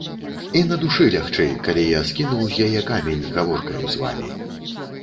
І на душы лягчэй, калі я скінуў з яе камень гаворкаю з вамі.